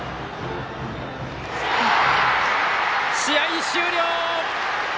試合終了！